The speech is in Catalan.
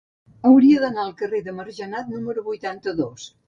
Hauria d'anar al carrer de Margenat número vuitanta-dos.